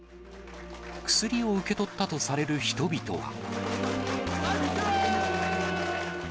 薬を受け取ったとされる人々は。